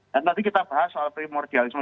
dan tadi kita bahas soal primordialisme